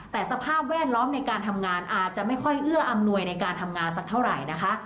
แต่สภาพแวดล้อมในการทำงานอาจจะไม่ค่อยเอื้ออำนวยในการทำงานสักเท่าไหร่นะคะ